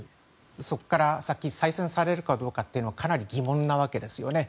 そこから先再選されるかどうかはかなり疑問なわけですよね。